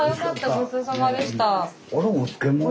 ごちそうさまでした。